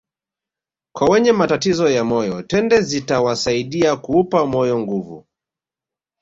Kwa wenye matatizo ya moyo tende zitawasaidia kuupa moyo nguvu